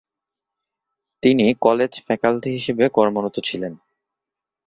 তিনি college faculty হিসেবে কর্মরত ছিলেন।